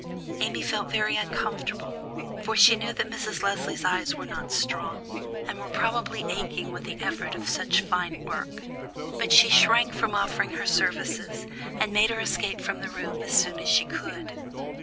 Amy felt very uncomfortable, for she knew that Mrs. Leslie's eyes were not strong, and were probably aching with the effort of such fine work; but she shrank from offering her services, and made her escape from the room as soon as she could.